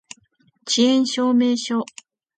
遅延証明書